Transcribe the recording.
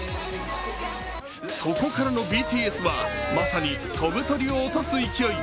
そこからのＢＴＳは、まさに飛ぶ鳥を落とす勢い。